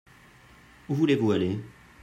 Où voulez-vous aller ?